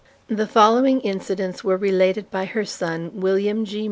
The following incidents were related by her son, William G.